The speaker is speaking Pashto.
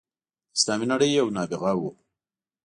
د اسلامي نړۍ یو نابغه وو.